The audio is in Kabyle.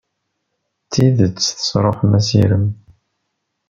D tidet tesṛuḥem assirem.